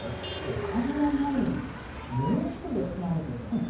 お金がないうえにもう一人養わなきゃいけない。